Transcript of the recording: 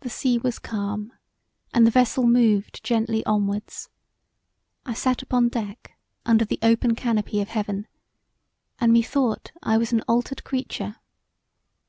The sea was calm and the vessel moved gently onwards, I sat upon deck under the open canopy of heaven and methought I was an altered creature.